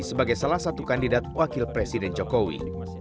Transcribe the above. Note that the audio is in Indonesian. sebagai salah satu kandidat wakil presiden jokowi